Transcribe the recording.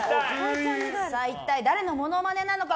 一体誰のモノマネなのか